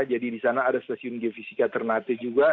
jadi di sana ada stasiun geofisika ternate juga